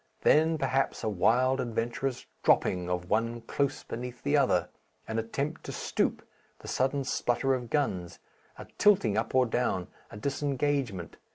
Then, perhaps, a wild adventurous dropping of one close beneath the other, an attempt to stoop, the sudden splutter of guns, a tilting up or down, a disengagement.